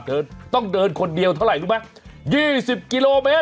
เธอต้องเดินคนเดียวเท่าไหร่รู้ไหม๒๐กิโลเมตร